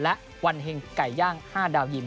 และวันเฮงไก่ย่าง๕ดาวยิม